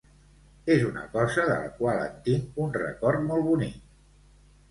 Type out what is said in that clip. És una cosa de la qual en tinc un record molt bonic.